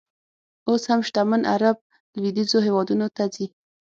اوس هم شتمن عر ب لویدیځو هېوادونو ته ځي.